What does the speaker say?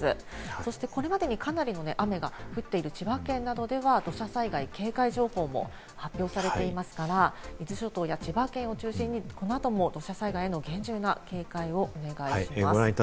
そして、これまでにかなりの雨が降っている千葉県などでは土砂災害警戒情報も発表されていますから、伊豆諸島や千葉県を中心にこのあとも土砂災害への厳重な警戒をお願いします。